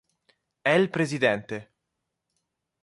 El Presidente